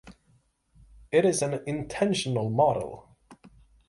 It is an intensional model.